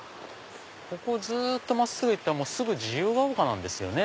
ここずっと真っすぐ行ったら自由が丘なんですよね。